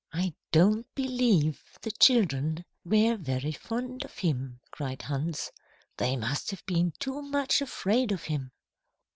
"I don't believe the children were very fond of him," cried Hans. "They must have been too much afraid of him."